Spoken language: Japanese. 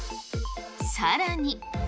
さらに。